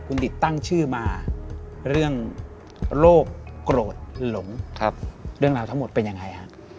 คุณดิตตั้งชื่อมาเรื่องโรคโกรธหลงเรื่องราวทั้งหมดเป็นยังไงฮะ